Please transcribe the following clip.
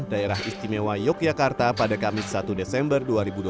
daerah istimewa yogyakarta pada kamis satu desember dua ribu dua puluh